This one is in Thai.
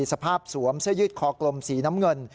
สวมเสื้อยืดคอกลมสีน้ำเงิน